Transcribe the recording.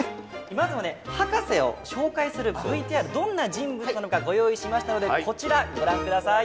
まずはね博士を紹介するＶＴＲどんな人物なのかご用意しましたのでこちらご覧ください。